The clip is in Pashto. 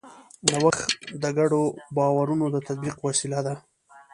نوښت د ګډو باورونو د تطبیق وسیله ده.